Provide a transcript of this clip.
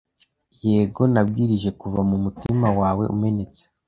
Yego… Nabwirijwe kuva mu mutima wawe umenetse;